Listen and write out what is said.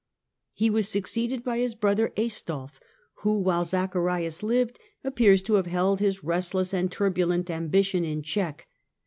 He was succeeded by his brother Aistulf, who, while Zacharias lived, appears to have held his restless and turbulent ambition in check.